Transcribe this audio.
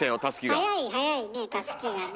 早い早いねたすきがね。